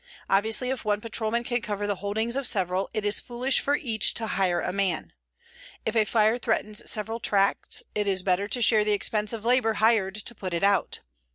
Obviously if one patrolman can cover the holdings of several, it is foolish for each to hire a man. If a fire threatens several tracts, it is better to share the expense of labor hired to put it out.